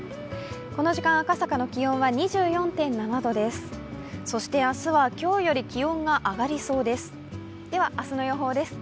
この時間、赤坂の気温は２４．７度ですそして明日は今日より気温が上がりそうです。